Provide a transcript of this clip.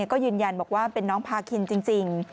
ก็ยืนยันบอกว่าเป็นน้องพาคินจริง